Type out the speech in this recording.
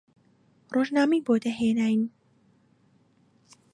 ڕۆژنامەی بۆ دەهێناین